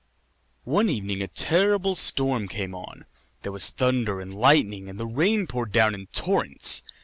One evening a terrible storm came on; there was thunder and lightning, and the rain poured down in torrents.